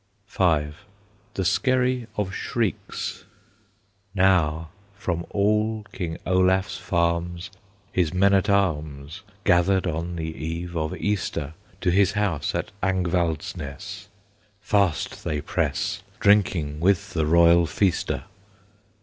V. THE SKERRY OF SHRIEKS. Now from all King Olaf's farms His men at arms Gathered on the Eve of Easter; To his house at Angvalds ness Fast they press, Drinking with the royal feaster.